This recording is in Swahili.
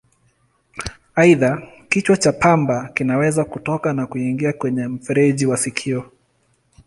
Aidha, kichwa cha pamba kinaweza kutoka na kuingia kwenye mfereji wa sikio.